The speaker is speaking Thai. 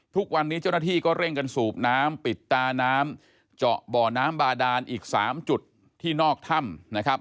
ทุกวันนี้เจ้าหน้าที่ก็เร่งกันสูบน้ำปิดตาน้ำเจาะบ่อน้ำบาดานอีก๓จุดที่นอกถ้ำนะครับ